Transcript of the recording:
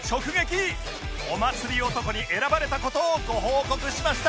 お祭り男に選ばれた事をご報告しました